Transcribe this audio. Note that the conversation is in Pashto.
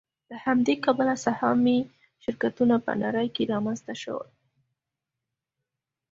له همدې کبله سهامي شرکتونه په نړۍ کې رامنځته شول